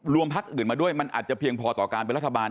พักอื่นมาด้วยมันอาจจะเพียงพอต่อการเป็นรัฐบาล